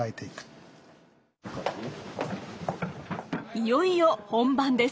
いよいよ本番です。